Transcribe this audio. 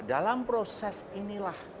dalam proses inilah